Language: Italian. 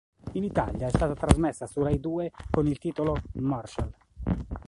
In Italia è stata trasmessa su RaiDue con il titolo "Marshal".